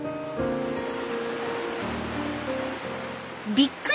「びっくり！